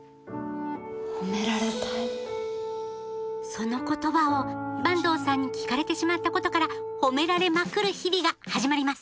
その言葉を坂東さんに聞かれてしまったことから「褒められまくる」日々が始まります！